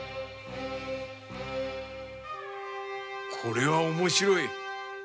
これは面白い。